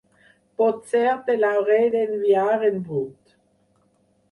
Potser te l'hauré d'enviar en brut.